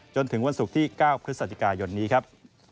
จนถึงวันศุกร์ที่๙พฤศจิกายนนี้ครับ